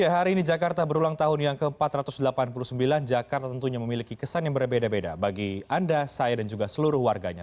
hari ini jakarta berulang tahun yang ke empat ratus delapan puluh sembilan jakarta tentunya memiliki kesan yang berbeda beda bagi anda saya dan juga seluruh warganya